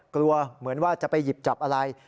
กลัวเหมือนว่าจะไปหยิบจับอะไร